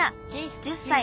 １０歳。